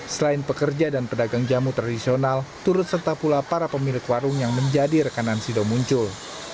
selain pekerja dan pedagang jamu tradisional turut serta pula para pemilik warung yang menjadi rekanan sido muncul